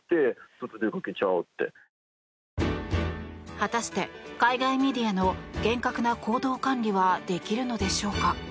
果たして、海外メディアの厳格な行動管理はできるのでしょうか。